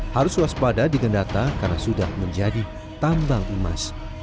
harus waspada dengan data karena sudah menjadi tambang emas